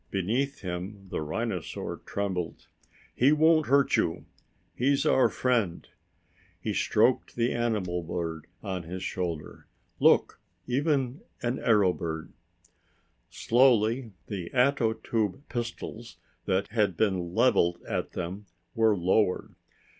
Beneath him the rhinosaur trembled. "He won't hurt you. He's our friend." He stroked the arrow bird on his shoulder. "Look! Even an arrow bird!" Slowly the ato tube pistols that had been leveled at them were lowered.